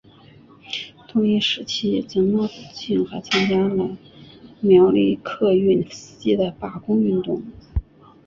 同一时期曾茂兴还参加了苗栗客运司机的罢工运动。